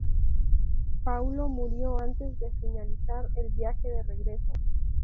Paulo murió antes de finalizar el viaje de regreso.